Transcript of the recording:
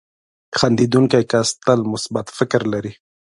• خندېدونکی کس تل مثبت فکر لري.